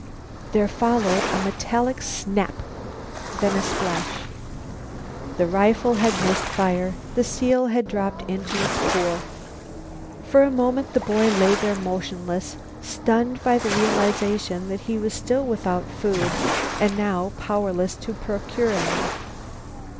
There followed a metallic snap, then a splash, The rifle had missed fire; the seal had dropped into its pool. For a moment the boy lay there motionless, stunned by the realization that he was still without food and was now powerless to procure any.